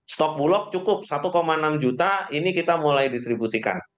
stok bulog cukup satu enam juta ini kita mulai distribusikan